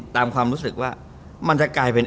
ความรู้สึกว่ามันจะกลายเป็น